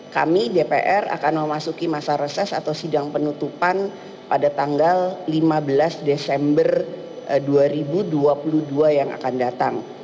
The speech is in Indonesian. kami dpr akan memasuki masa reses atau sidang penutupan pada tanggal lima belas desember dua ribu dua puluh dua yang akan datang